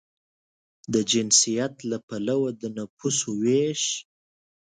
د جنسیت له پلوه د نفوسو وېش